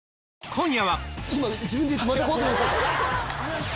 今夜は！